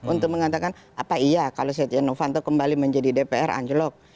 untuk mengatakan apa iya kalau setia novanto kembali menjadi dpr anjlok